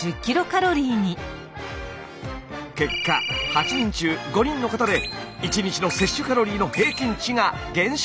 結果８人中５人の方で１日の摂取カロリーの平均値が減少。